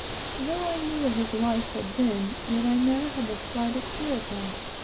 Though I knew what his life had been, yet I never had the slightest fear of him.